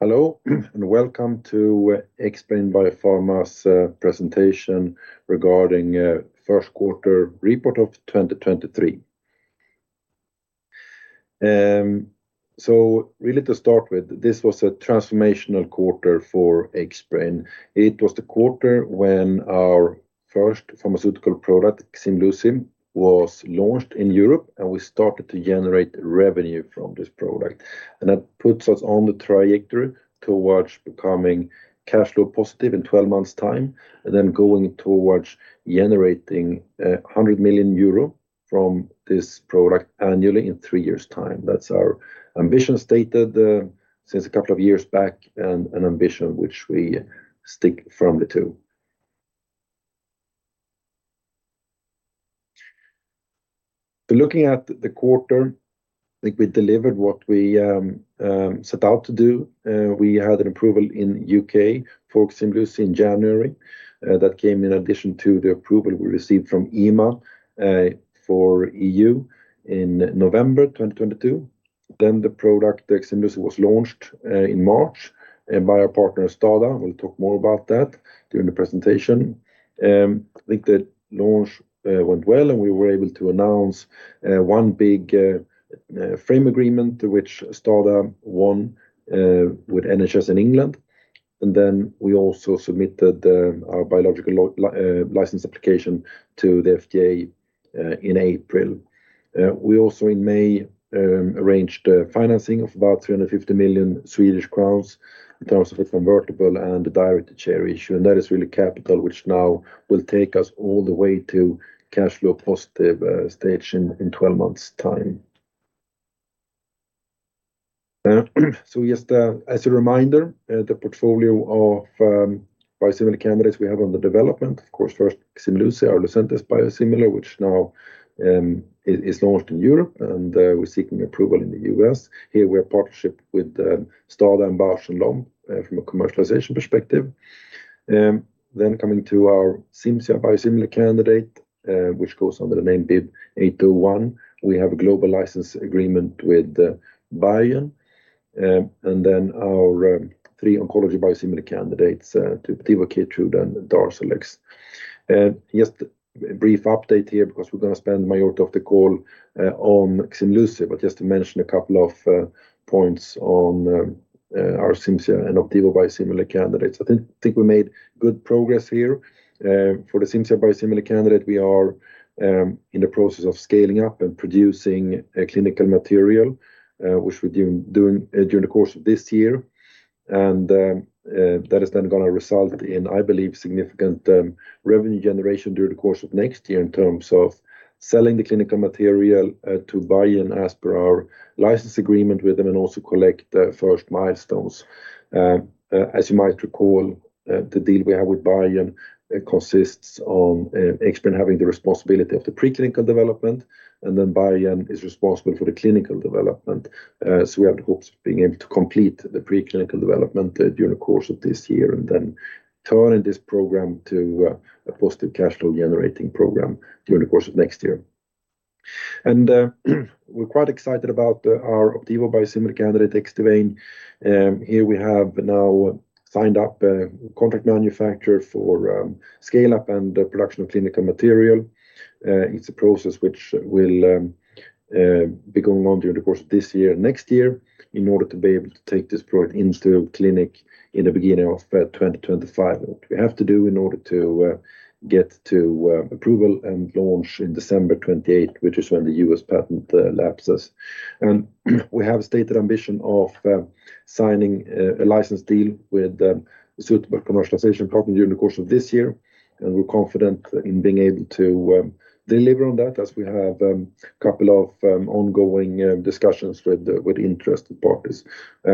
Hello, welcome to Xbrane Biopharma's presentation regarding Q1 report of 2023. Really to start with, this was a transformational quarter for Xbrane. It was the quarter when our first pharmaceutical product, Ximluci, was launched in Europe, and we started to generate revenue from this product. That puts us on the trajectory towards becoming cash flow positive in 12 months' time, and then going towards generating 100 million euro from this product annually in three years' time. That's our ambition stated since a couple of years back, and an ambition which we stick firmly to. Looking at the quarter, I think we delivered what we set out to do. We had an approval in U.K.. for Ximluci in January that came in addition to the approval we received from EMA for EU in November 2022. The product, Ximluci, was launched in March, and by our partner, STADA. We'll talk more about that during the presentation. I think the launch went well, and we were able to announce one big frame agreement to which STADA won with NHS England. We also submitted our biological license application to the FDA in April. We also, in May, arranged a financing of about 350 million Swedish crowns in terms of a convertible and a direct share issue, and that is really capital, which now will take us all the way to cash flow positive stage in 12 months' time. Just as a reminder, the portfolio of biosimilar candidates we have under development, of course, first, Ximluci, our Lucentis biosimilar, which now is launched in Europe, and we're seeking approval in the U.S. Here we are partnership with STADA and Boehringer Ingelheim, from a commercialization perspective. Coming to our Cimzia biosimilar candidate, which goes under the name BIIB801. We have a global license agreement with Bayer. Our three oncology biosimilar candidates, Opdivo, Keytruda, and Darzalex. Just a brief update here, because we're gonna spend majority of the call on Ximluci, but just to mention a couple of points on our Cimzia and Opdivo biosimilar candidates. I think we made good progress here. For the Cimzia biosimilar candidate, we are in the process of scaling up and producing a clinical material, which we're doing during the course of this year. That is then gonna result in, I believe, significant revenue generation during the course of next year in terms of selling the clinical material to Bayer and as per our license agreement with them, and also collect the first milestones. As you might recall, the deal we have with Bayer consists on Xbrane having the responsibility of the preclinical development, and then Bayer is responsible for the clinical development. We have the hopes of being able to complete the preclinical development during the course of this year, and then turn this program to a positive cash flow generating program during the course of next year. We're quite excited about our Opdivo biosimilar candidate, Xdivane. Here we have now signed up a contract manufacturer for scale-up and the production of clinical material. It's a process which will be going on during the course of this year and next year in order to be able to take this product into clinic in the beginning of 2025. What we have to do in order to get to approval and launch in December 28, which is when the U.S. patent lapses. We have a stated ambition of signing a license deal with a suitable commercialization partner during the course of this year, and we're confident in being able to deliver on that, as we have a couple of ongoing discussions with interested parties.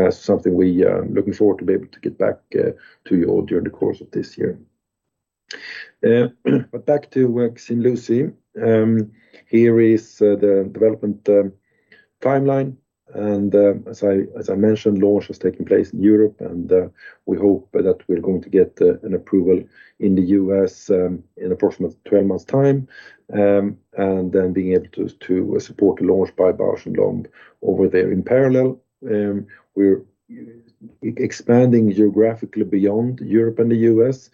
Something we are looking forward to be able to get back to you all during the course of this year. Back to Ximluci. Here is the development timeline. As I mentioned, launch has taken place in Europe, and we hope that we're going to get an approval in the U.S. in approximately 12 months' time. Then being able to support the launch by Boehringer Ingelheim over there. In parallel, we're expanding geographically beyond Europe and the U.S.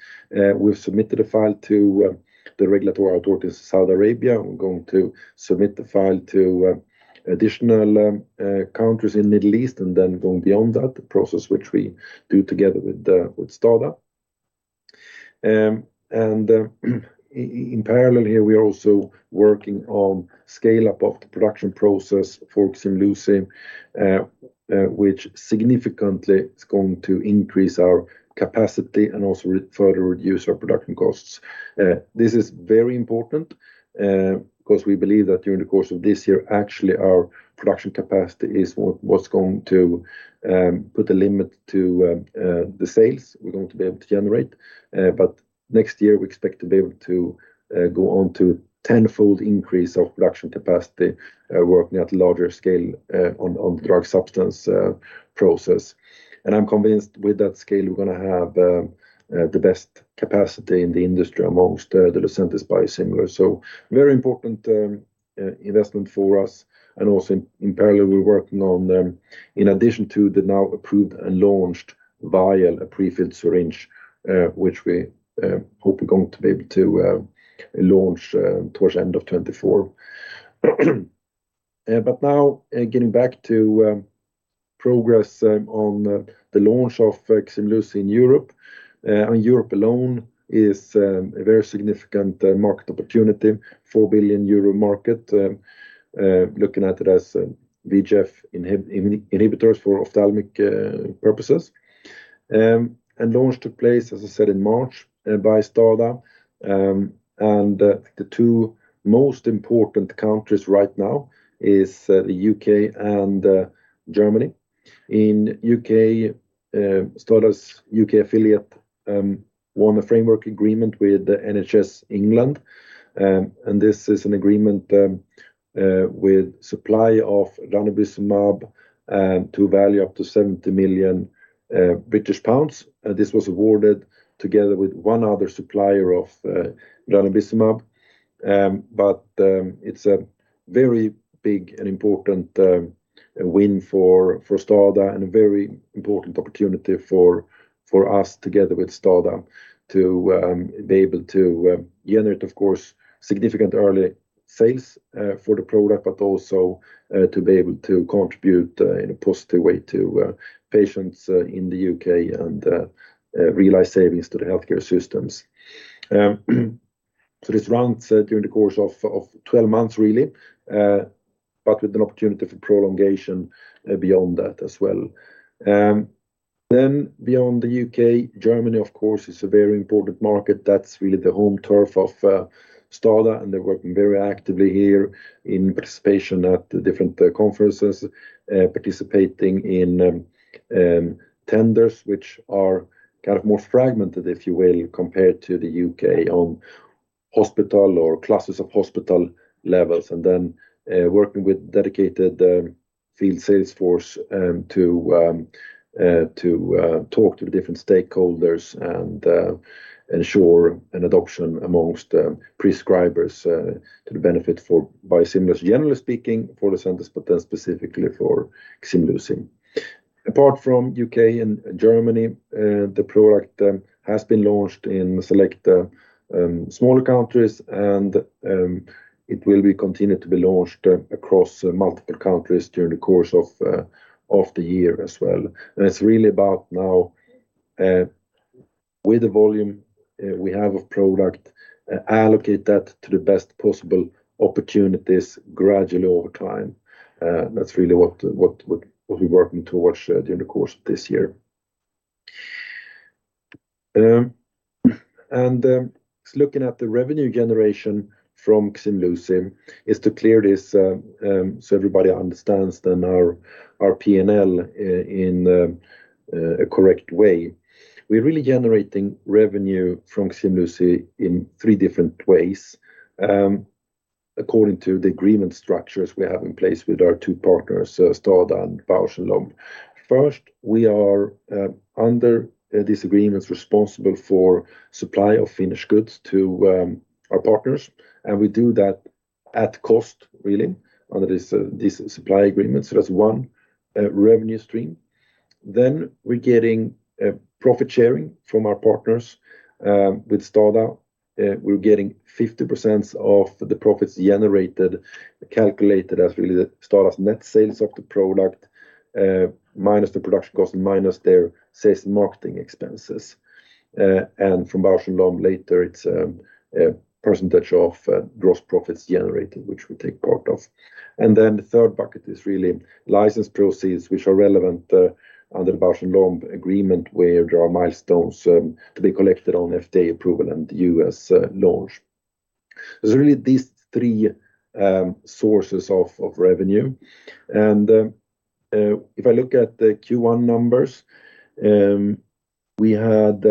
We've submitted a file to the regulatory authority in Saudi Arabia. We're going to submit the file to additional countries in Middle East, and then going beyond that, the process which we do together with STADA. In parallel here, we are also working on scale-up of the production process for Ximluci, which significantly is going to increase our capacity and also further reduce our production costs. This is very important, 'cause we believe that during the course of this year, actually, our production capacity is what's going to put a limit to the sales we're going to be able to generate. Next year, we expect to be able to go on to tenfold increase our production capacity, working at larger scale on drug substance process. I'm convinced with that scale, we're going to have the best capacity in the industry amongst the Lucentis biosimilar. Very important investment for us. Also in parallel, we're working on them. In addition to the now approved and launched vial, a prefilled syringe, which we hope we're going to be able to launch towards the end of 2024. Now, getting back to progress on the launch of Ximluci in Europe. Europe alone is a very significant market opportunity, 4 billion euro market, looking at it as VEGF inhibitors for ophthalmic purposes. Launch took place, as I said, in March, by STADA. The two most important countries right now is the U.K. and Germany. In U.K., STADA's U.K. affiliate won a framework agreement with the NHS England, and this is an agreement with supply of ranibizumab to value up to 70 million British pounds. This was awarded together with one other supplier of ranibizumab. It's a very big and important win for STADA, and a very important opportunity for us together with STADA, to be able to generate, of course, significant early sales for the product, but also to be able to contribute in a positive way to patients in the U.K., and realize savings to the healthcare systems. This runs during the course of 12 months, really, but with an opportunity for prolongation beyond that as well. Beyond the U.K.., Germany, of course, is a very important market. That's really the home turf of STADA, and they're working very actively here in participation at the different conferences, participating in tenders, which are kind of more fragmented, if you will, compared to the U.K.., on hospital or classes of hospital levels, and then working with dedicated field sales force to talk to the different stakeholders and ensure an adoption amongst prescribers to the benefit for biosimilars, generally speaking, for Lucentis, but then specifically for Ximluci. Apart from U.K.. and Germany, the product has been launched in select smaller countries, and it will be continued to be launched across multiple countries during the course of the year as well. It's really about now, with the volume we have of product, allocate that to the best possible opportunities gradually over time. That's really what we're working towards during the course of this year. Looking at the revenue generation from Ximluci is to clear this so everybody understands then our P&L in a correct way. We're really generating revenue from Ximluci in three different ways, according to the agreement structures we have in place with our two partners, STADA and Bausch + Lomb. First, we are under these agreements, responsible for supply of finished goods to our partners, and we do that at cost, really, under this supply agreement. That's one revenue stream. We're getting profit sharing from our partners. With STADA, we're getting 50% of the profits generated, calculated as really the STADA's net sales of the product, minus the production cost, minus their sales and marketing expenses. From Bausch + Lomb later, it's a percentage of gross profits generated, which we take part of. The third bucket is really license proceeds, which are relevant under the Bausch + Lomb agreement, where there are milestones to be collected on FDA approval and U.S. launch. There's really these three sources of revenue. If I look at the Q1 numbers, we had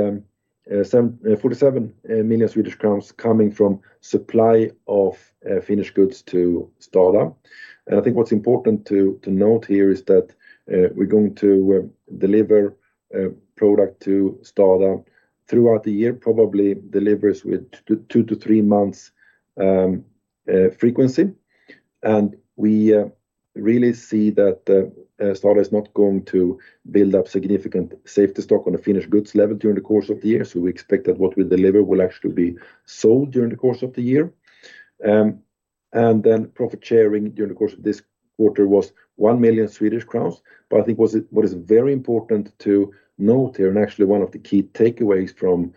47 million Swedish crowns coming from supply of finished goods to STADA. I think what's important to note here is that we're going to deliver a product to STADA throughout the year, probably delivers with two to three months frequency. We really see that STADA is not going to build up significant safety stock on a finished goods level during the course of the year. We expect that what we deliver will actually be sold during the course of the year. Profit sharing during the course of this quarter was 1 million Swedish crowns. I think what is very important to note here, and actually one of the key takeaways from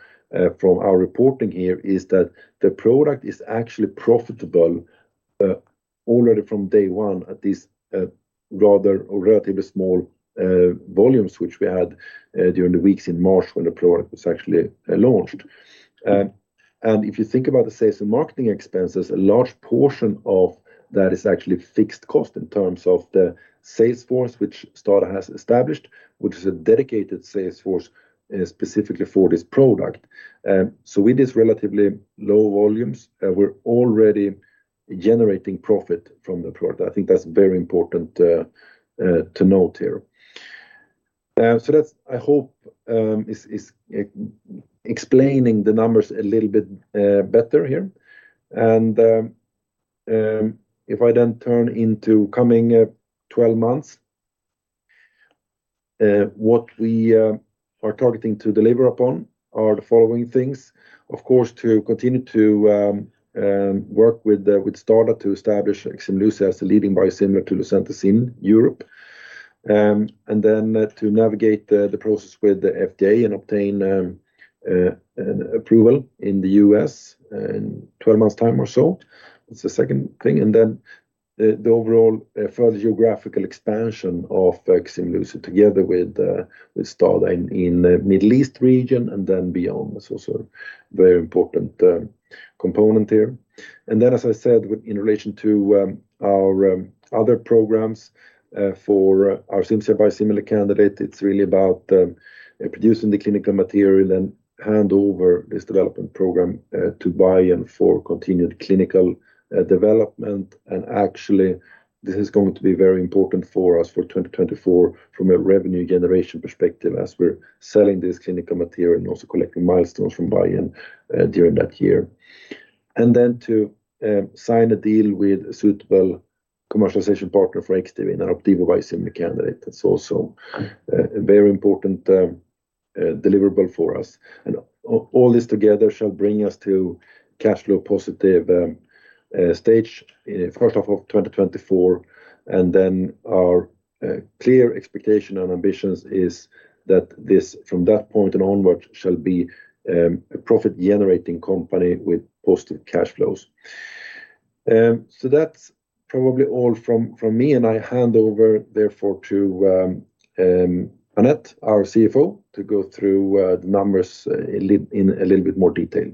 our reporting here, is that the product is actually profitable already from day one at this rather or relatively small volumes, which we had during the weeks in March, when the product was actually launched. If you think about the sales and marketing expenses, a large portion of that is actually fixed cost in terms of the sales force, which STADA has established, which is a dedicated sales force specifically for this product. With these relatively low volumes, we're already generating profit from the product. I think that's very important to note here. That's, I hope, is explaining the numbers a little bit better here. If I then turn into coming 12 months, what we are targeting to deliver upon are the following things: Of course, to continue to work with STADA to establish Ximluci as the leading biosimilar to Lucentis in Europe and then to navigate the process with the FDA and obtain an approval in the U.S. in 12 months' time or so. That's the second thing, and then the overall further geographical expansion of Ximluci together with STADA in the Middle East region and then beyond. That's also a very important component here. As I said, with in relation to, our other programs, for our Cimzia biosimilar candidate, it's really about producing the clinical material and hand over this development program to Biogen for continued clinical development. Actually, this is going to be very important for us for 2024 from a revenue generation perspective, as we're selling this clinical material and also collecting milestones from Biogen during that year. To sign a deal with a suitable commercialization partner for Xdivane, an Opdivo biosimilar candidate. That's also a very important deliverable for us. All this together shall bring us to cash flow positive stage in first half of 2024, then our clear expectation and ambitions is that this, from that point and onward, shall be a profit-generating company with positive cash flows. That's probably all from me, and I hand over therefore to Anette, our CFO, to go through the numbers in a little bit more detail.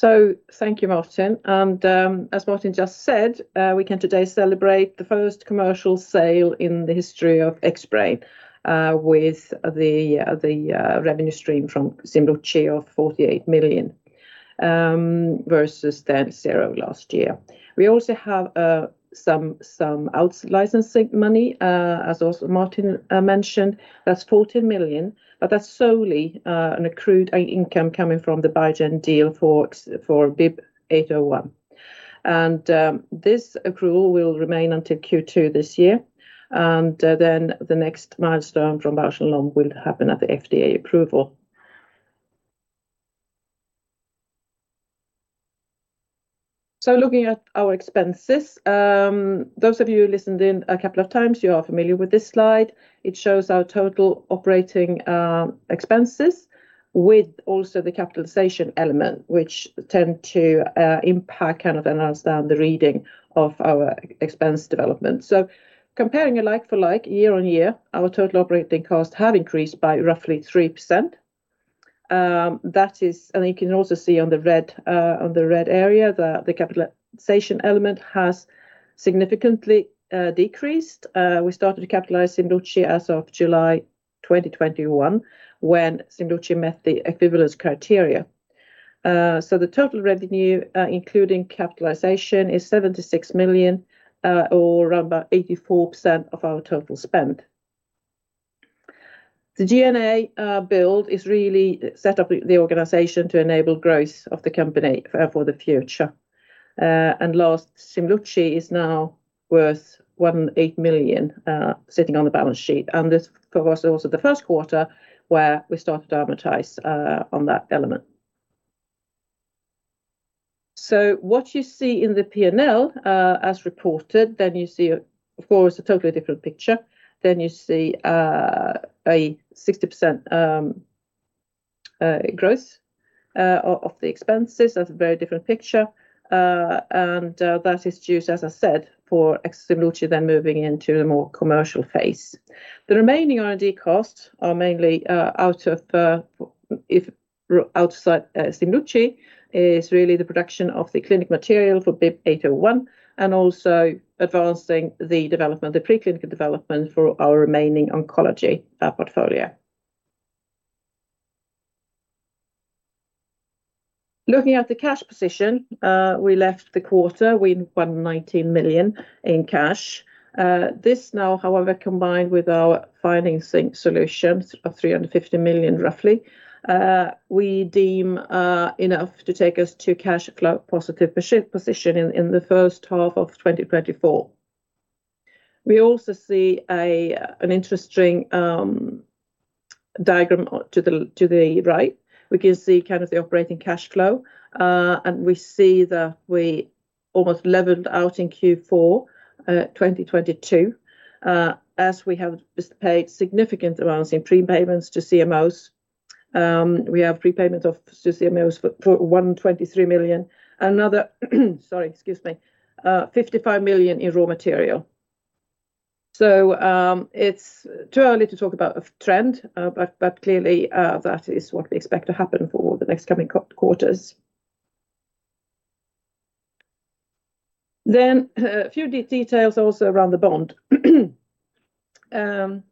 Thank you, Martin. As Martin just said, we can today celebrate the first commercial sale in the history of Xbrane, with the revenue stream from Ximluci of 48 million versus then zero last year. We also have some out-licensing money, as also Martin mentioned, that's 14 million, but that's solely an accrued income coming from the Biogen deal for BIIB801. This accrual will remain until Q2 this year. Then the next milestone from Bausch + Lomb will happen at the FDA approval. Looking at our expenses, those of you who listened in a couple of times, you are familiar with this slide. It shows our total operating expenses, with also the capitalization element, which tend to impact, kind of, and understand the reading of our e-expense development. Comparing a like-for-like, year-on-year, our total operating costs have increased by roughly 3%. That is, you can also see on the red on the red area, the capitalization element has significantly decreased. We started to capitalize Ximluci as of July 2021, when Ximluci met the equivalence criteria. The total revenue, including capitalization, is 76 million, or around about 84% of our total spend. The G&A build is really set up the organization to enable growth of the company for the future. Last, Ximluci is now worth 1.8 million sitting on the balance sheet, this, of course, is also the Q1 where we started to amortize on that element. What you see in the P&L as reported, you see, of course, a totally different picture. You see a 60% growth of the expenses. That's a very different picture, that is due, as I said, for Ximluci moving into the more commercial phase. The remaining R&D costs are mainly out of outside Ximluci, is really the production of the clinic material for BIIB801, also advancing the development, the preclinical development for our remaining oncology portfolio. Looking at the cash position, we left the quarter with 119 million in cash. This now, however, combined with our financing solutions of 350 million, we deem enough to take us to cash flow positive position in the first half of 2024. We also see an interesting diagram to the right, we can see kind of the operating cash flow, and we see that we almost leveled out in Q4 2022, as we have just paid significant amounts in prepayments to CMOs. We have prepayment to CMOs for 123 million. Another 55 million in raw material. It's too early to talk about a trend, but clearly, that is what we expect to happen for the next coming quarters. A few details also around the bond. The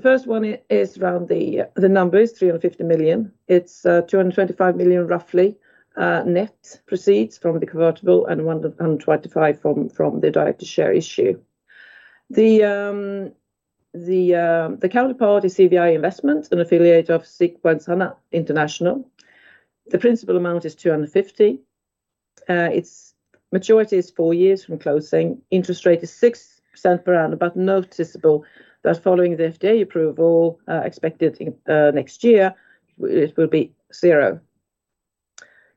first one is around the number is 350 million. It's 225 million, roughly, net proceeds from the convertible, and 125 from the direct to share issue. The counterparty CVI Investments, an affiliate of Susquehanna International. The principal amount is 250. Its maturity is four years from closing. Interest rate is 6% per annum, but noticeable that following the FDA approval, expected in next year, it will be zero.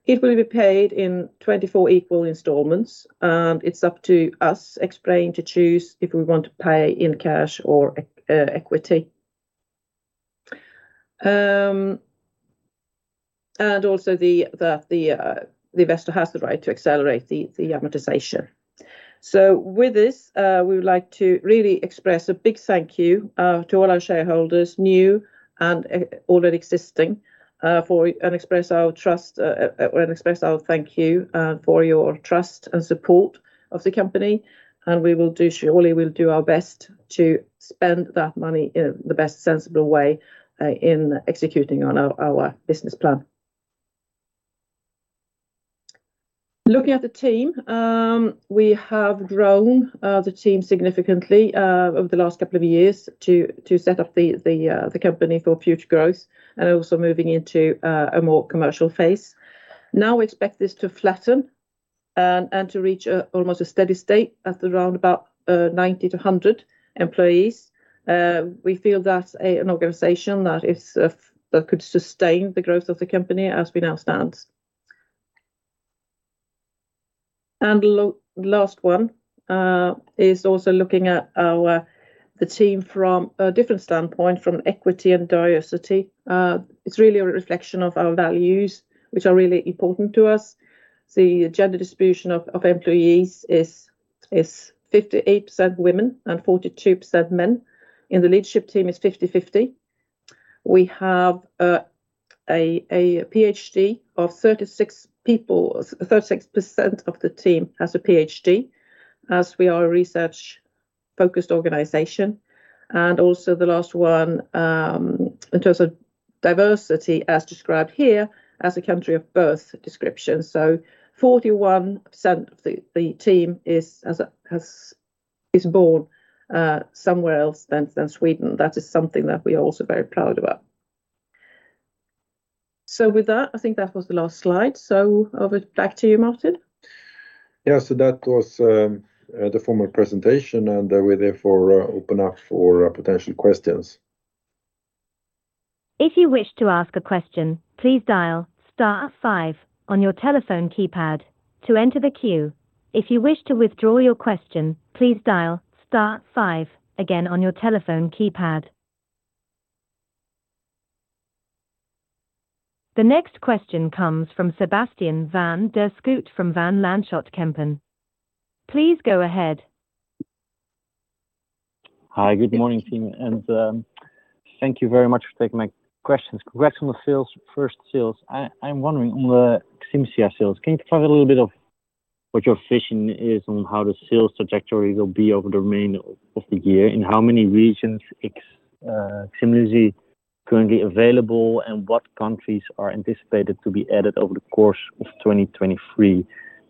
It will be paid in 24 equal installments. It's up to us, Xbrane, to choose if we want to pay in cash or equity. Also the investor has the right to accelerate the amortization. With this, we would like to really express a big thank you to all our shareholders, new and already existing, and express our trust, and express our thank you for your trust and support of the company. We will do, surely will do our best to spend that money in the best sensible way, in executing on our business plan. Looking at the team, we have grown the team significantly over the last couple of years to set up the company for future growth and also moving into a more commercial phase. Now, we expect this to flatten and to reach almost a steady state at around about 90 to 100 employees. We feel that's an organization that is that could sustain the growth of the company as we now stands. Last one is also looking at our, the team from a different standpoint, from equity and diversity. It's really a reflection of our values, which are really important to us. The gender distribution of employees is 58% women and 42% men. In the leadership team is 50-50. We have 36% of the team has a PhD, as we are a research-focused organization. Also the last one, in terms of diversity, as described here as a country of birth description so 41% of the team is born somewhere else than Sweden. That is something that we are also very proud about. With that, I think that was the last slide. Over back to you, Martin. Yeah. That was the formal presentation, and we're therefore open up for potential questions. If you wish to ask a question, please dial star five on your telephone keypad to enter the queue. If you wish to withdraw your question, please dial star five again on your telephone keypad. The next question comes from Sebastiaan van der Schoot from Van Lanschot Kempen. Please go ahead. Hi, good morning, team, and thank you very much for taking my questions. Congrats on the sales, first sales. I'm wondering on the Ximluci sales, can you talk a little bit of what your vision is on how the sales trajectory will be over the remaining of the year, in how many regions Ximluci currently available, and what countries are anticipated to be added over the course of 2023?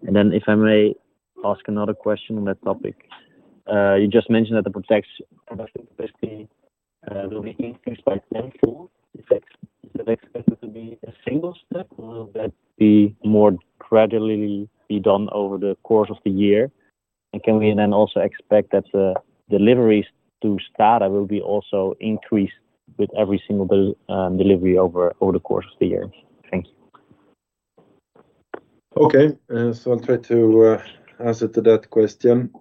If I may ask another question on that topic. You just mentioned that the production capacity will be increased by 10-fold. Is that expected to be a single step, or will that be more gradually be done over the course of the year? Can we then also expect that the deliveries to STADA will be also increased with every single delivery over the course of the year? Thank you. Okay, I'll try to answer to that question.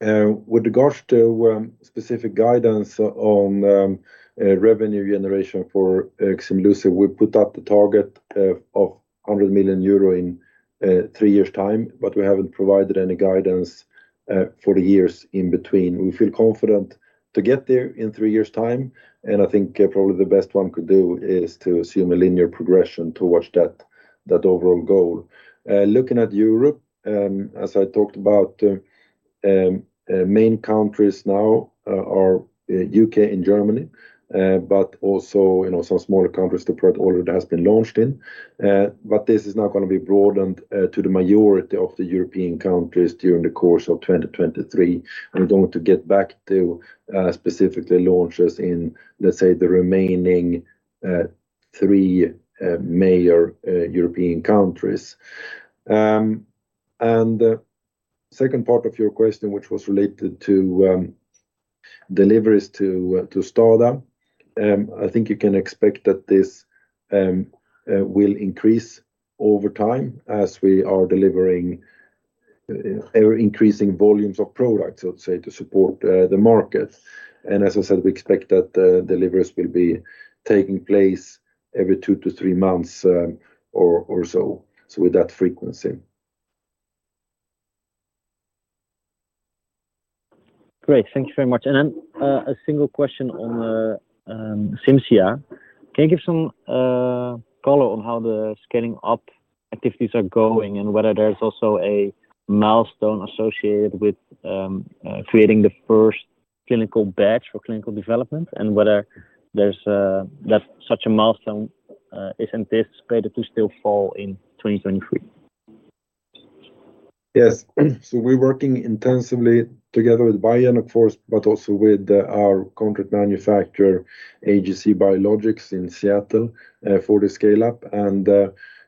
With regards to specific guidance on revenue generation for Ximluci, we put up the target of 100 million euro in three years' time. We haven't provided any guidance for the years in between. We feel confident to get there in three years' time. I think probably the best one could do is to assume a linear progression towards that overall goal. Looking at Europe, as I talked about, main countries now are U.K. and Germany, but also, you know, some smaller countries the product already has been launched in. This is now gonna be broadened to the majority of the European countries during the course of 2023, and we want to get back to specifically launches in, let's say, the remaining three major European countries. Second part of your question, which was related to deliveries to STADA. I think you can expect that this will increase over time as we are delivering ever-increasing volumes of products, I would say, to support the market. As I said, we expect that the deliveries will be taking place every two to three months or so. With that frequency. Great. Thank you very much. A single question on Cimzia. Can you give some color on how the scaling up activities are going, whether there's also a milestone associated with creating the first clinical batch for clinical development? Whether there's that such a milestone is anticipated to still fall in 2023? Yes. We're working intensively together with Biogen, of course, but also with our contract manufacturer, AGC Biologics in Seattle, for the scale-up.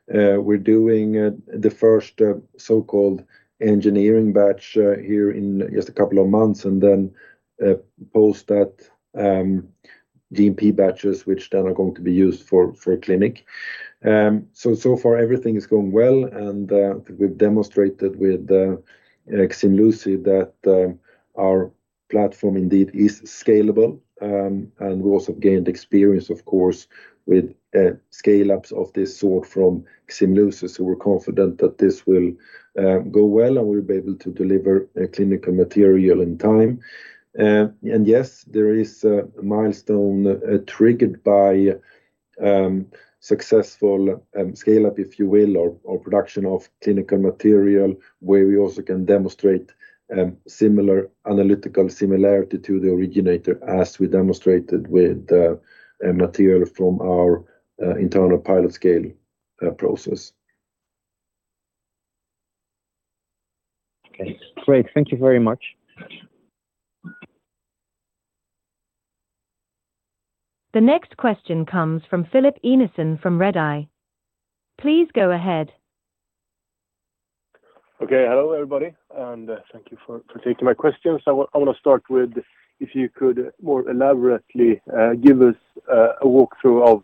We're doing the first so-called engineering batch here in just a couple of months, and then post that, GMP batches, which then are going to be used for clinic. So far everything is going well, and we've demonstrated with Ximluci that our platform indeed is scalable. We also gained experience, of course, with scale-ups of this sort from Ximluci. We're confident that this will go well, and we'll be able to deliver a clinical material in time. Yes, there is a milestone, triggered by successful scale up, if you will, or production of clinical material, where we also can demonstrate similar analytical similarity to the originator, as we demonstrated with a material from our internal pilot scale process. Okay, great. Thank you very much. The next question comes from Filip Einarsson from Redeye. Please go ahead. Okay. Hello, everybody, and thank you for taking my questions. I want to start with if you could more elaborately give us a walkthrough of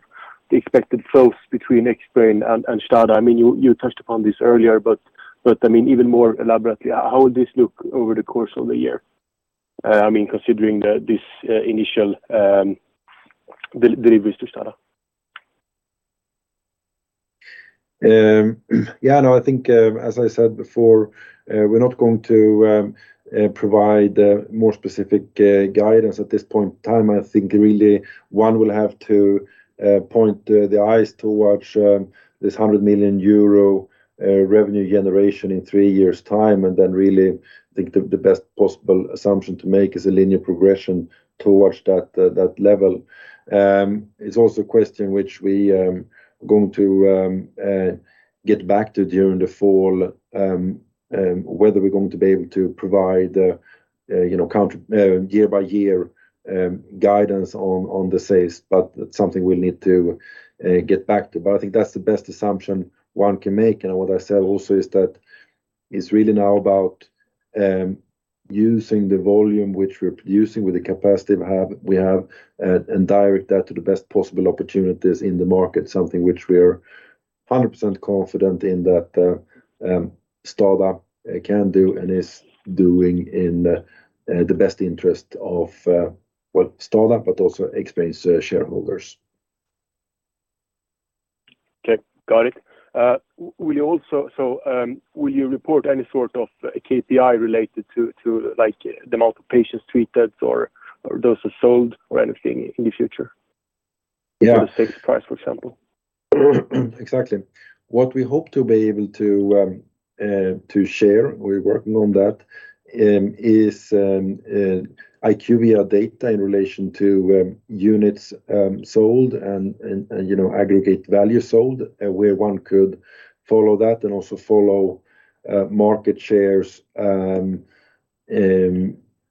the expected flows between Xbrane and STADA. I mean, you touched upon this earlier, but I mean, even more elaborately, how will this look over the course of the year? I mean, considering this initial deliveries to STADA. I think, as I said before, we're not going to provide more specific guidance at this point in time. I think really one will have to point the eyes towards this 100 million euro revenue generation in three years' time, and then really, I think the best possible assumption to make is a linear progression towards that level. It's also a question which we are going to get back to during the fall. Whether we're going to be able to provide, you know, count year by year guidance on the sales, but that's something we'll need to get back to. I think that's the best assumption one can make. What I said also is that it's really now about, using the volume which we're producing with the capacity we have, and direct that to the best possible opportunities in the market, something which we are 100% confident in that, STADA can do and is doing in, the best interest of, well, STADA, but also Xbrane's shareholders. Okay, got it. Will you report any sort of KPI related to, like, the amount of patients treated or doses sold or anything in the future? Yeah. The sales price, for example. Exactly. What we hope to be able to to share, we're working on that, is IQVIA data in relation to units sold and, you know, aggregate value sold, where one could follow that and also follow market shares.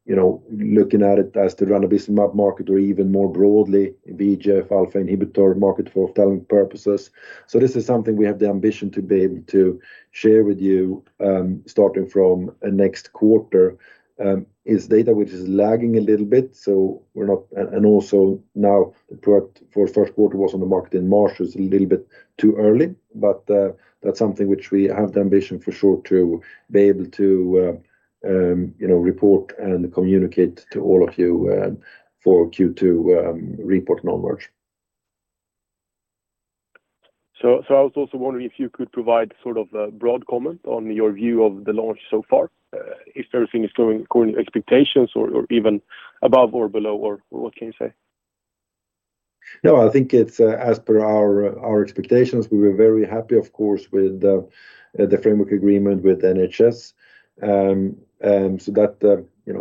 You know, looking at it as the ranibizumab market or even more broadly, VEGF alpha inhibitor market for retinal purposes. This is something we have the ambition to be able to share with you, starting from next quarter, is data which is lagging a little bit. Also now the product for Q1 was on the market in March. It's a little bit too early, but that's something which we have the ambition for sure to be able to, you know, report and communicate to all of you, for Q2 report in onward. I was also wondering if you could provide sort of a broad comment on your view of the launch so far, if everything is going according to expectations or even above or below, or what can you say? No, I think it's as per our expectations, we were very happy, of course, with the framework agreement with NHS. That, you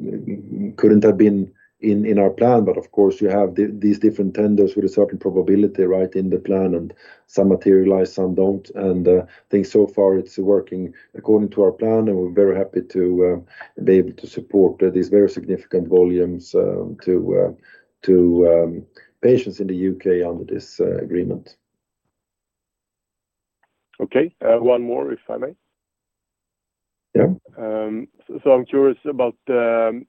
know, couldn't have been in our plan, but of course, you have these different tenders with a certain probability, right, in the plan, and some materialize, some don't. I think so far it's working according to our plan, and we're very happy to be able to support these very significant volumes to patients in the U.K. under this agreement. Okay, one more, if I may. Yeah. I'm curious about the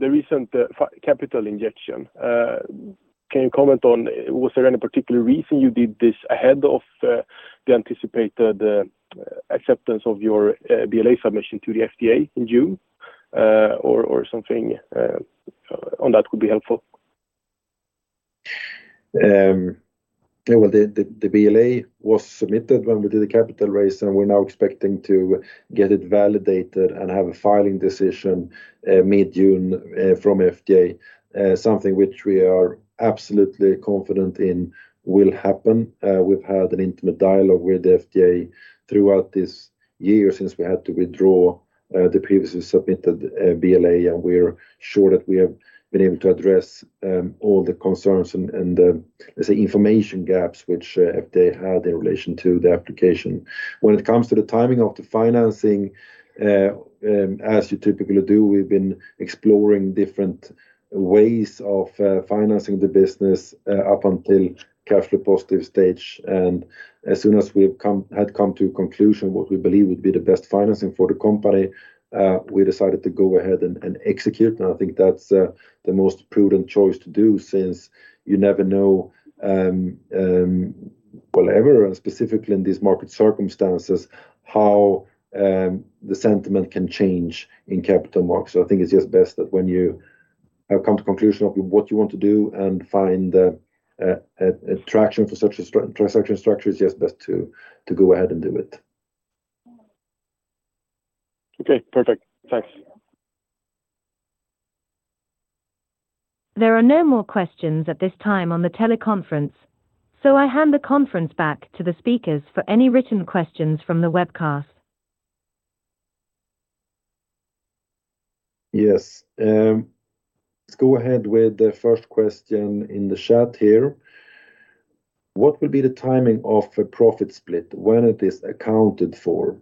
recent capital injection. Can you comment on was there any particular reason you did this ahead of the anticipated acceptance of your BLA submission to the FDA in June, or something on that could be helpful? Yeah, well, the BLA was submitted when we did the capital raise. We're now expecting to get it validated and have a filing decision mid-June from FDA. Something which we are absolutely confident in will happen. We've had an intimate dialogue with the FDA throughout this year since we had to withdraw the previously submitted BLA. We're sure that we have been able to address all the concerns and, let's say, information gaps which if they had in relation to the application. When it comes to the timing of the financing, as you typically do, we've been exploring different ways of financing the business up until cash flow positive stage. As soon as we had come to a conclusion, what we believe would be the best financing for the company, we decided to go ahead and execute. I think that's the most prudent choice to do, since you never know, well, ever, and specifically in these market circumstances, how the sentiment can change in capital markets. I think it's just best that when you have come to conclusion of what you want to do and find a traction for such a transaction structure, it's just best to go ahead and do it. Okay, perfect. Thanks. There are no more questions at this time on the teleconference, so I hand the conference back to the speakers for any written questions from the webcast. Yes, let's go ahead with the first question in the chat here. What will be the timing of a profit split when it is accounted for?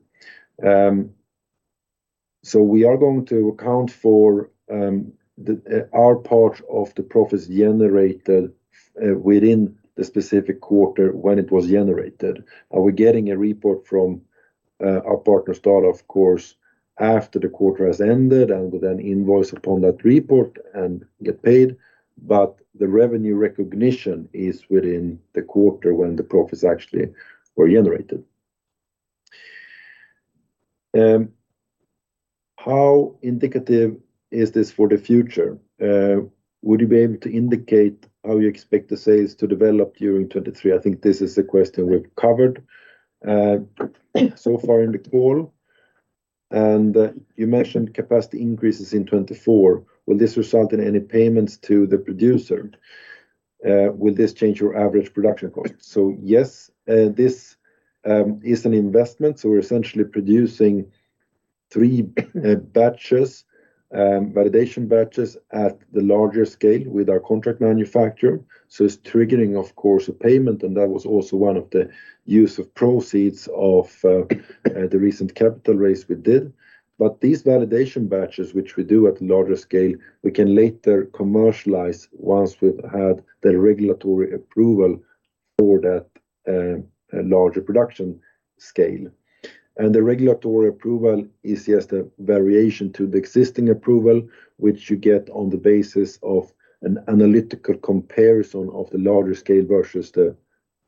We are going to account for our part of the profits generated within the specific quarter when it was generated. Are we getting a report from our partner, STADA, of course, after the quarter has ended, we then invoice upon that report and get paid but the revenue recognition is within the quarter when the profits actually were generated. How indicative is this for the future? Would you be able to indicate how you expect the sales to develop during 2023? I think this is a question we've covered so far in the call. You mentioned capacity increases in 2024. Will this result in any payments to the producer? Will this change your average production cost? Yes, this is an investment, we're essentially producing three batches, validation batches at the larger scale with our contract manufacturer. It's triggering, of course, a payment, and that was also one of the use of proceeds of the recent capital raise we did. These validation batches, which we do at larger scale, we can later commercialize once we've had the regulatory approval for that larger production scale. The regulatory approval is just a variation to the existing approval, which you get on the basis of an analytical comparison of the larger scale versus the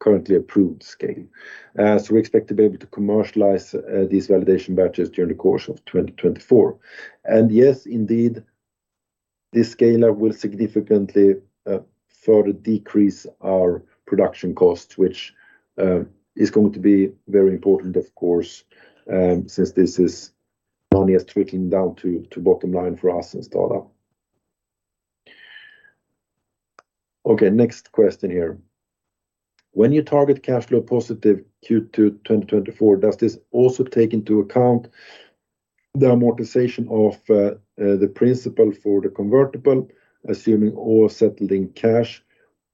currently approved scale. We expect to be able to commercialize these validation batches during the course of 2024. Yes, indeed, this scaler will significantly further decrease our production costs, which is going to be very important, of course, since this money is trickling down to bottom line for us and STADA. Okay, next question here. When you target cash flow positive Q2 2024, does this also take into account the amortization of the principle for the convertible, assuming all settled in cash?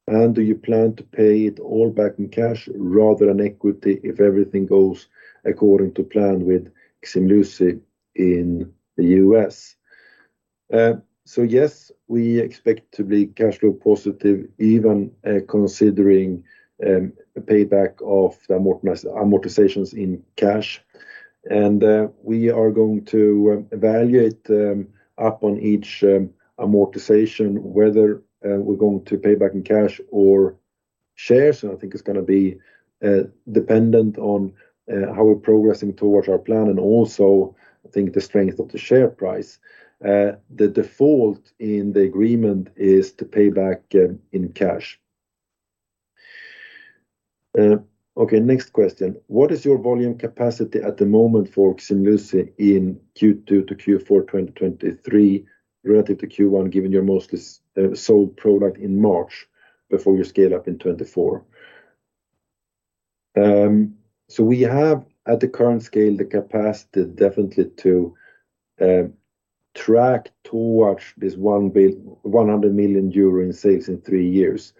Do you plan to pay it all back in cash rather than equity, if everything goes according to plan with Ximluci in the U.S.? Yes, we expect to be cash flow positive, even considering payback of the amortizations in cash. We are going to evaluate upon each amortization, whether we're going to pay back in cash or shares. I think it's going to be dependent on how we're progressing towards our plan and also, I think the strength of the share price. The default in the agreement is to pay back in cash. Okay, next question: What is your volume capacity at the moment for Ximluci in Q2 to Q4 2023 relative to Q1, given your mostly sold product in March before you scale up in 2024? We have, at the current scale, the capacity definitely to track towards this 100 million euro in sales in three years.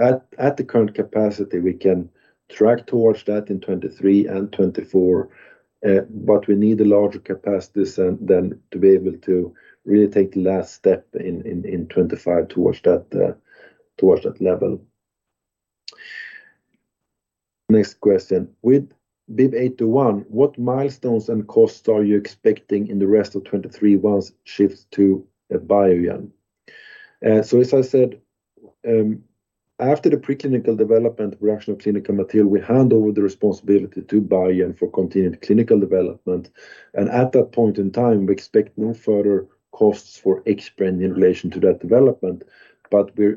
At the current capacity, we can track towards that in 2023 and 2024, but we need a larger capacities and then to be able to really take the last step in 2025 towards that towards that level. Next question. With BIIB801, what milestones and costs are you expecting in the rest of 2023 once shifts to Biogen? As I said, after the preclinical development production of clinical material, we hand over the responsibility to Biogen for continued clinical development. At that point in time, we expect no further costs for xpend in relation to that development. We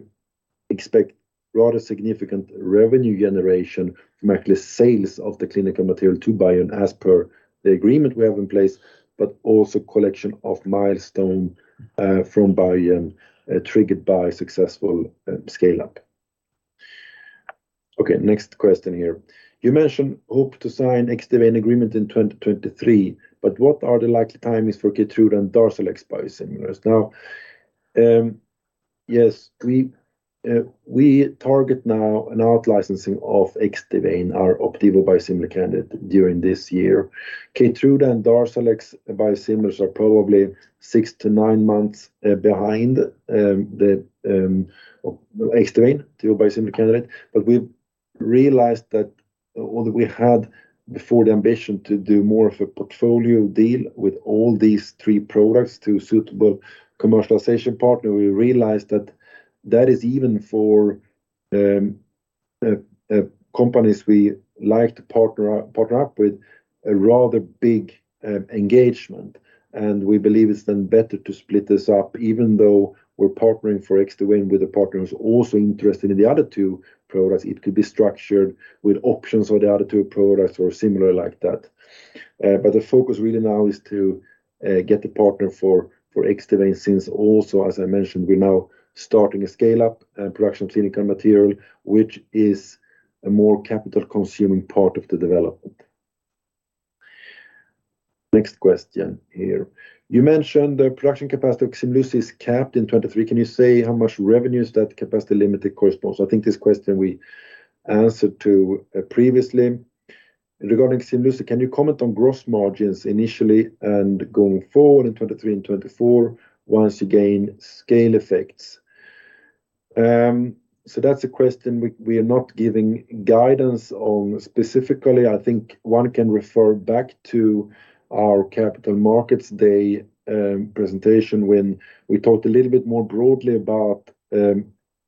expect rather significant revenue generation from actually sales of the clinical material to Biogen as per the agreement we have in place, but also collection of milestone from Biogen triggered by successful scale-up. Okay, next question here. You mentioned hope to sign Xdivane agreement in 2023, what are the likely timings for Keytruda and Darzalex biosimilars? Now, yes, we target now an out-licensing of Xdivane, our Opdivo biosimilar candidate during this year. Keytruda and Darzalex biosimilars are probably three to nine months behind the Xdivane biosimilar candidate. We've realized that although we had before the ambition to do more of a portfolio deal with all these three products to suitable commercialization partner, we realized that that is even for companies we like to partner up with a rather big engagement, and we believe it's then better to split this up. Even though we're partnering for Xdivane with a partner who's also interested in the other two products, it could be structured with options on the other two products or similar like that. The focus really now is to get the partner for Xdivane, since also, as I mentioned, we're now starting a scale-up and production of clinical material, which is a more capital-consuming part of the development. Next question here. You mentioned the production capacity of Ximluci is capped in 23. Can you say how much revenue is that capacity limited corresponds? I think this question we answered to previously. Regarding Ximluci, can you comment on gross margins initially and going forward in 23 and 24, once you gain scale effects? That's a question we are not giving guidance on specifically. I think one can refer back to our Capital Markets Day presentation, when we talked a little bit more broadly about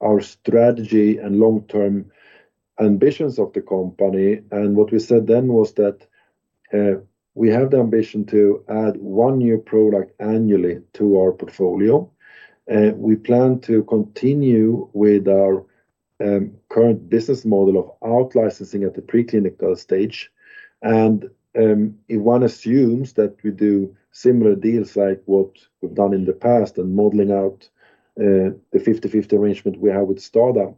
our strategy and long-term ambitions of the company. What we said then was that we have the ambition to add one new product annually to our portfolio, we plan to continue with our current business model of out-licensing at the preclinical stage. If one assumes that we do similar deals like what we've done in the past, and modeling out the 50/50 arrangement we have with STADA,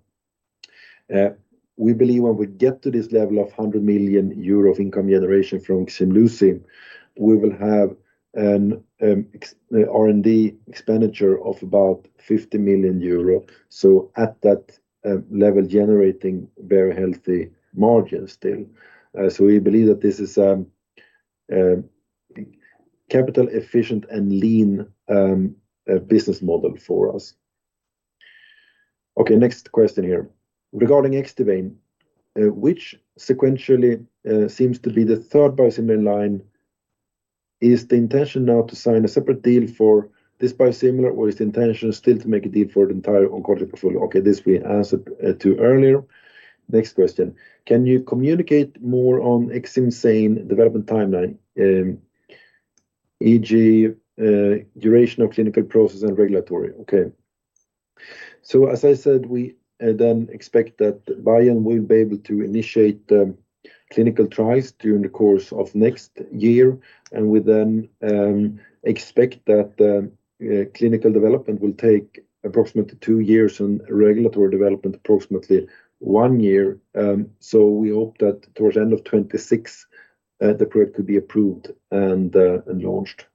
we believe when we get to this level of 100 million euro of income generation from Ximluci, we will have an R&D expenditure of about 50 million euro. At that level, generating very healthy margins still. We believe that this is a capital efficient and lean business model for us. Okay, next question here. Regarding Xdivane, which sequentially seems to be the third biosimilar line, is the intention now to sign a separate deal for this biosimilar, or is the intention still to make a deal for the entire oncology portfolio? Okay, this we answered to earlier. Next question. Can you communicate more on Xcimzane development timeline, e.g., duration of clinical process and regulatory? As I said, we expect that Biogen will be able to initiate clinical trials during the course of next year, and we expect that the clinical development will take approximately two years and regulatory development, approximately one year. We hope that towards the end of 2026, the product could be approved and launched.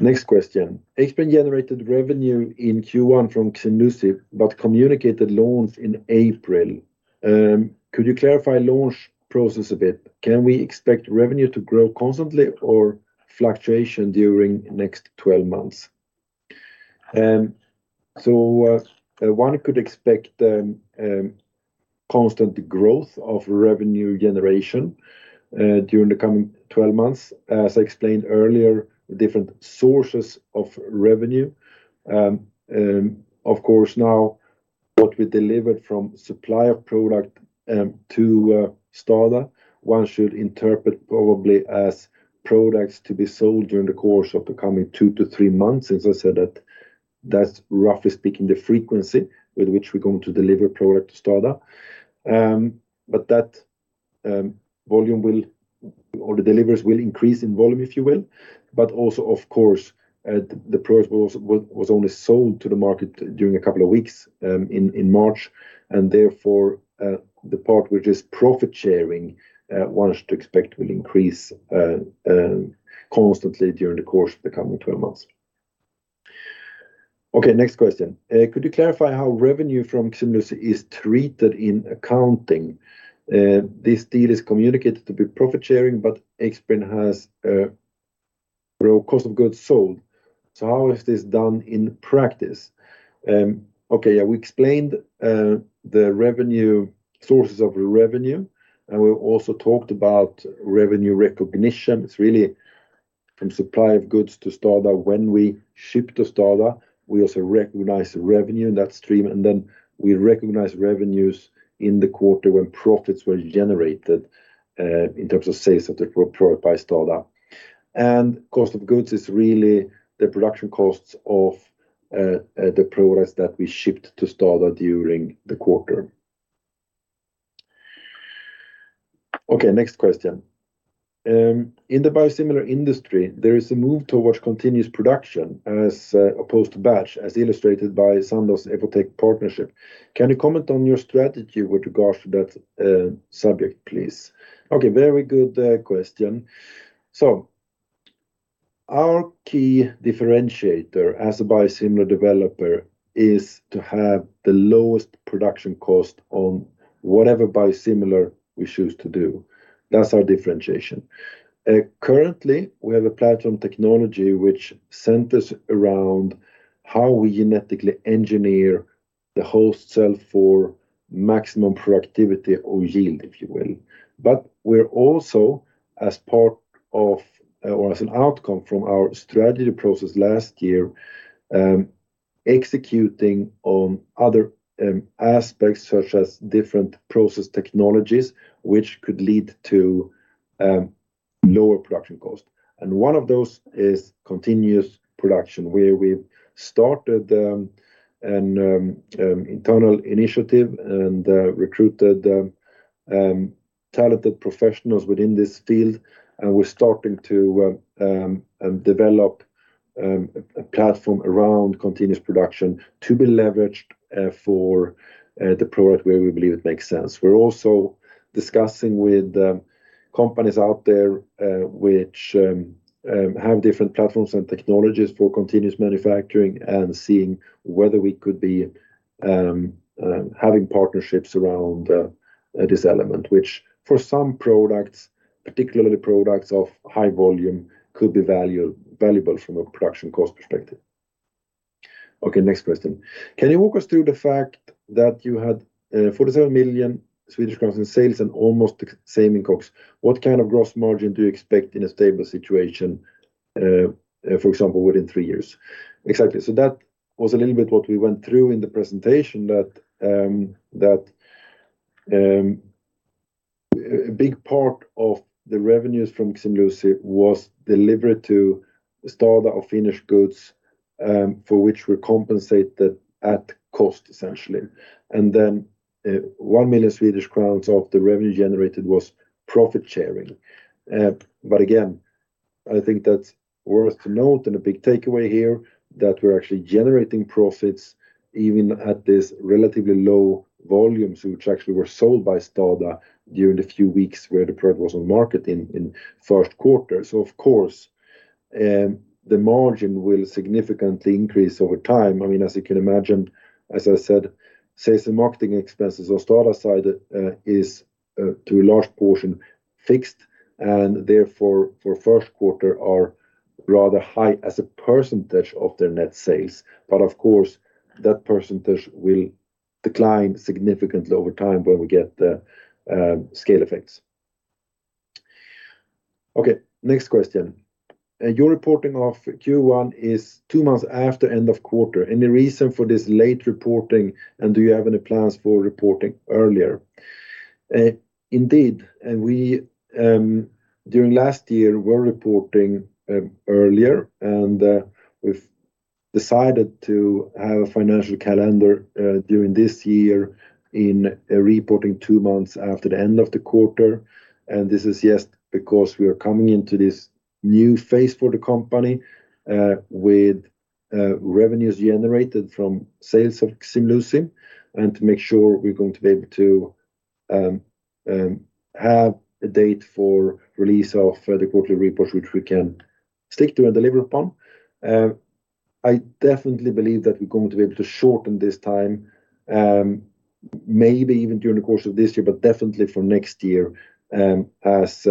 Next question. Xbrane generated revenue in Q1 from Ximluci, but communicated launch in April. Could you clarify launch process a bit? Can we expect revenue to grow constantly or fluctuation during the next 12 months? One could expect constant growth of revenue generation during the coming 12 months. As I explained earlier, different sources of revenue. Of course, now what we delivered from supply of product to STADA, one should interpret probably as products to be sold during the course of the coming two to three months, since I said that that's, roughly speaking, the frequency with which we're going to deliver product to STADA. That volume will or the deliveries will increase in volume, if you will. Also, of course, the product was only sold to the market during a couple of weeks, in March, and therefore, the part which is profit-sharing, one should expect will increase constantly during the course of the coming 12 months. Okay, next question. Could you clarify how revenue from Ximluci is treated in accounting? This deal is communicated to be profit-sharing, but Xbrane has, pro cost of goods sold. How is this done in practice? Okay, yeah, we explained the revenue, sources of revenue, and we also talked about revenue recognition. It's really from supply of goods to STADA. When we ship to STADA, we also recognize the revenue in that stream, and then we recognize revenues in the quarter when profits were generated in terms of sales of the product by STADA. Cost of goods is really the production costs of the products that we shipped to STADA during the quarter. OK, next question. In the biosimilar industry, there is a move towards continuous production as opposed to batch, as illustrated by Sandoz Evotec partnership. Can you comment on your strategy with regards to that subject, please? Very good question. Our key differentiator as a biosimilar developer is to have the lowest production cost on whatever biosimilar we choose to do. That's our differentiation. Currently, we have a platform technology which centers around how we genetically engineer the host cell for maximum productivity or yield, if you will. We're also, as part of, or as an outcome from our strategy process last year, executing on other aspects, such as different process technologies, which could lead to lower production cost. One of those is continuous production, where we've started an internal initiative and recruited talented professionals within this field. We're starting to develop a platform around continuous production to be leveraged for the product where we believe it makes sense. We're also discussing with companies out there, which have different platforms and technologies for continuous manufacturing and seeing whether we could be having partnerships around this element, which for some products, particularly products of high volume, could be valuable from a production cost perspective. Okay, next question. Can you walk us through the fact that you had 47 million Swedish crowns in sales and almost the same in COGS? What kind of gross margin do you expect in a stable situation, for example, within three years? Exactly. That was a little bit what we went through in the presentation, that a big part of the revenues from Ximluci was delivered to store our finished goods, for which we compensated at cost, essentially. 1 million Swedish crowns of the revenue generated was profit sharing. I think that's worth to note and a big takeaway here, that we're actually generating profits even at this relatively low volumes, which actually were sold by STADA during the few weeks where the product was on market in Q1. Of course, the margin will significantly increase over time. I mean, as you can imagine, as I said, sales and marketing expenses on STADA side is to a large portion fixed, and therefore for Q1 are rather high as a percentage of their net sales. Of course, that percentage will decline significantly over time when we get the scale effects. Okay, next question. Your reporting of Q1 is two months after end of quarter. Any reason for this late reporting, and do you have any plans for reporting earlier? Indeed, and we during last year, were reporting earlier, we've decided to have a financial calendar during this year in a reporting two months after the end of the quarter. This is just because we are coming into this new phase for the company, with revenues generated from sales of Ximluci and to make sure we're going to be able to have a date for release of the quarterly report, which we can stick to and deliver upon. I definitely believe that we're going to be able to shorten this time, maybe even during the course of this year, but definitely for next year, as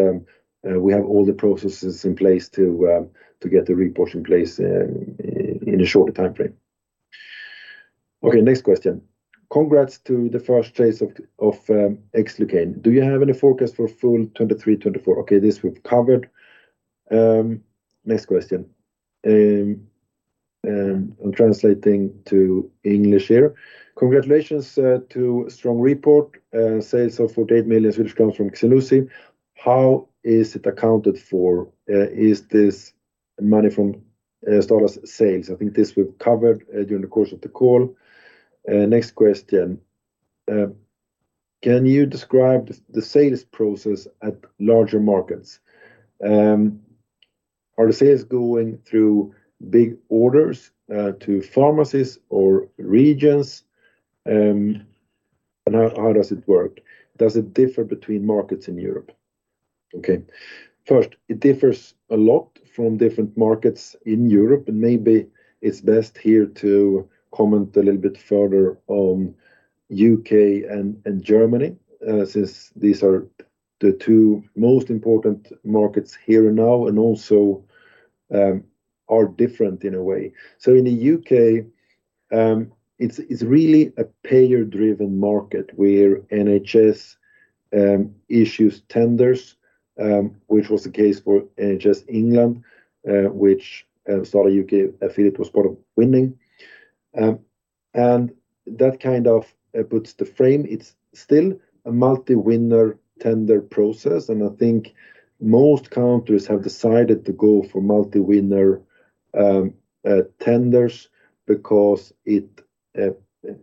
we have all the processes in place to get the report in place in a shorter timeframe. Next question. Congrats to the first phase of Xlucane. Do you have any forecast for full 2023, 2024? This we've covered. Next question. I'm translating to English here. Congratulations to strong report, sales of 48 million from Ximluci. How is it accounted for? Is this money from STADA's sales? I think this we've covered during the course of the call. Next question. Can you describe the sales process at larger markets? Are the sales going through big orders to pharmacies or regions? How does it work? Does it differ between markets in Europe? First, it differs a lot from different markets in Europe, and maybe it's best here to comment a little bit further on U.K. and Germany, since these are the two most important markets here and now, and also are different in a way. In the U.K., it's really a payer-driven market, where NHS issues tenders, which was the case for NHS England, which STADA U.K. affiliate was part of winning. That kind of puts the frame. It's still a multi-winner tender process, and I think most countries have decided to go for multi-winner tenders because it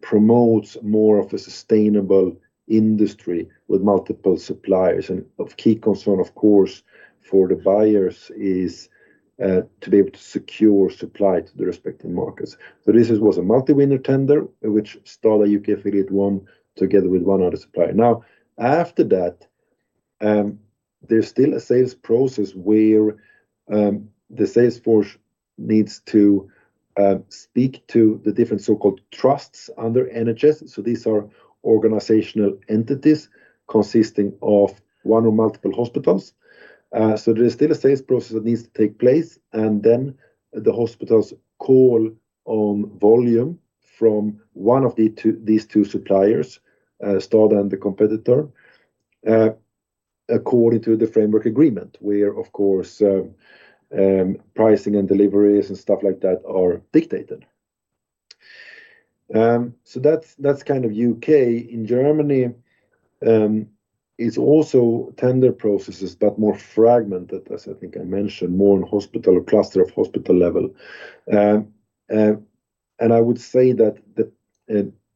promotes more of a sustainable industry with multiple suppliers. Of key concern, of course, for the buyers is to be able to secure supply to the respective markets. This was a multi-winner tender, which STADA U.K. affiliate won together with one other supplier. Now, after that, there's still a sales process where the sales force needs to speak to the different so-called trusts under NHS. These are organizational entities consisting of one or multiple hospitals. There is still a sales process that needs to take place, and then the hospitals call on volume from one of these two suppliers, STADA and the competitor, according to the framework agreement, where, of course, pricing and deliveries and stuff like that are dictated. That's kind of U.K.. In Germany, it's also tender processes, but more fragmented, as I think I mentioned, more in hospital or cluster of hospital level. I would say that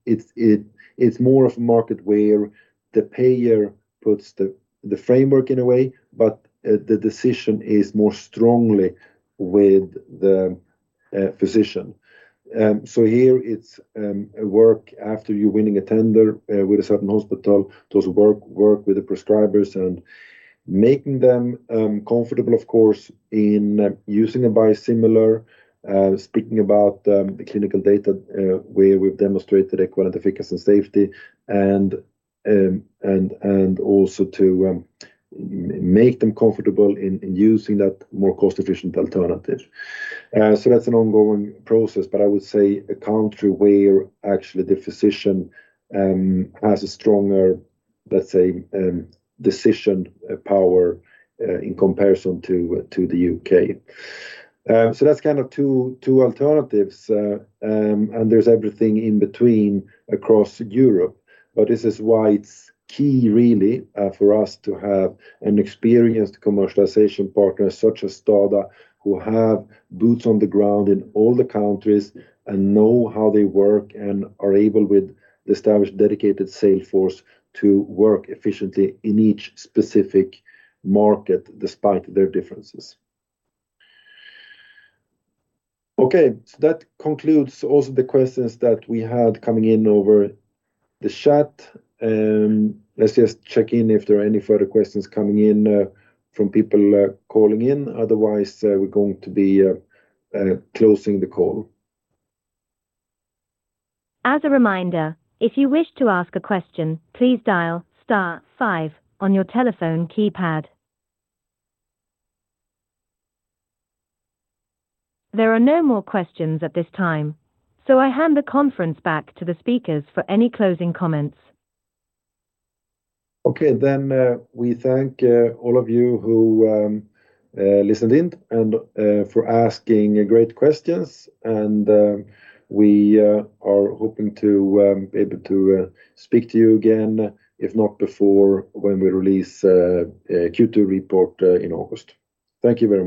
it's more of a market where the payer puts the framework in a way, but the decision is more strongly with the physician. Here it's a work after you winning a tender, with a certain hospital, to work with the prescribers and making them comfortable, of course, in using a biosimilar. Speaking about the clinical data, where we've demonstrated equivalent efficacy and safety and also to make them comfortable in using that more cost-efficient alternative. That's an ongoing process, but I would say a country where actually the physician has a stronger decision power in comparison to the U.K.. That's kind of two alternatives. There's everything in between across Europe, but this is why it's key really for us to have an experienced commercialization partner, such as STADA, who have boots on the ground in all the countries and know how they work and are able, with the established, dedicated sales force, to work efficiently in each specific market despite their differences. That concludes also the questions that we had coming in over the chat. Let's just check in if there are any further questions coming in from people calling in. Otherwise, we're going to be closing the call. As a reminder, if you wish to ask a question, please dial star five on your telephone keypad. There are no more questions at this time, so I hand the conference back to the speakers for any closing comments. Okay. We thank all of you who listened in and for asking great questions, and we are hoping to able to speak to you again, if not before, when we release Q2 report in August. Thank you very much.